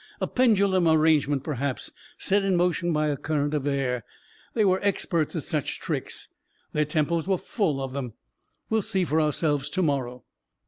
"A pendulum arrangement, perhaps, set in motion by a current of air. They were ex perts at such tricks — their temples were full of them! We'll see for ourselves to morrow."